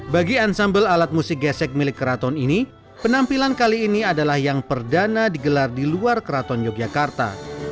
bagi ensambel alat musik gesek milik keraton ini penampilan kali ini adalah yang perdana digelar di luar keraton yogyakarta